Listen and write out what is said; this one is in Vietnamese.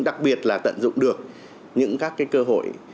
đặc biệt là tận dụng được những các cái cơ hội